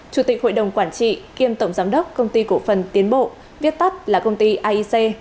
chủ tịch hội đồng quản trị kiêm tổng giám đốc công ty cổ phần tiến bộ viết tắt là công ty aic